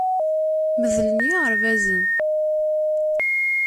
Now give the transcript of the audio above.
Medlen yiɣerbazen.